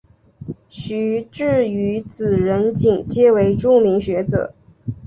徐致愉子仁锦皆为著名学者。